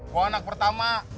gue anak pertama